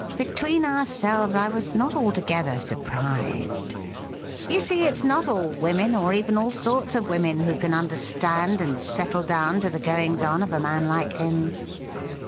Between ourselves, I was not altogether surprised. You see, it's not all women, or even all sorts of women, who can understand and settle down to the goings on of a man like him.